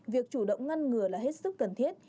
việc chủ động ngăn ngừa là hết sức cần thiết